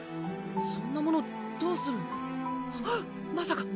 そんなものどうするあっまさか！